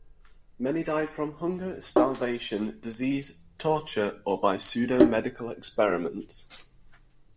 Many died from hunger, starvation, disease, torture or by pseudo-medical experiments.